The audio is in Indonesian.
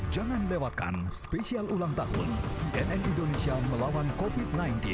jangan lewatkan spesial ulang tahun cnn indonesia melawan covid sembilan belas